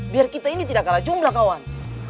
biar kita ini tidak kalah jumlah kawan